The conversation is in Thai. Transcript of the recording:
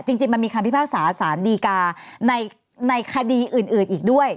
จริงมันมีคำพิพากษาสารดีกาในคดีอื่นอีกด้วย